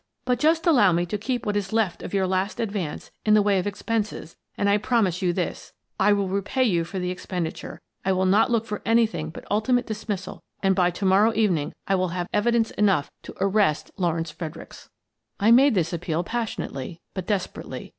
But just allow me to keep what is left of your last \ The Chiefs Decision 87 advance in the way of expenses and I promise you this: I will repay you for the expenditure; I will not look for anything but ultimate dismissal, and by to morrow evening I will have evidence enough to arrest Lawrence Fredericks." I made this appeal passionately, but desperately.